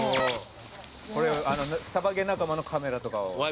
「これサバゲー仲間のカメラとかを」